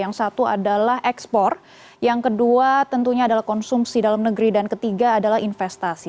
yang satu adalah ekspor yang kedua tentunya adalah konsumsi dalam negeri dan ketiga adalah investasi